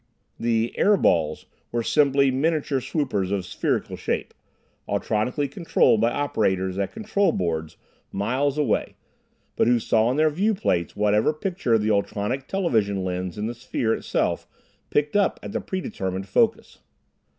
The "air balls" were simply miniature swoopers of spherical shape, ultronically controlled by operators at control boards miles away, and who saw on their viewplates whatever picture the ultronic television lens in the sphere itself picked up at the predetermined focus.